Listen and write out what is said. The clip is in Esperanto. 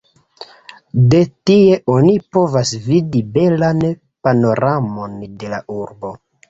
De tie oni povas vidi belan panoramon de la urbo.